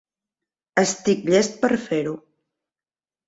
Estic llest per fer-ho.